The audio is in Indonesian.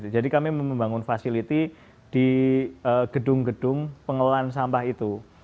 jadi kami membangun fasiliti di gedung gedung pengelolaan sampah itu